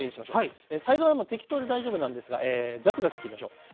サイズはもう適当で大丈夫なんですがザクザク切りましょう。